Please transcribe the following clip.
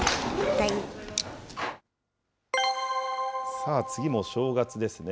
さあ、次も正月ですね。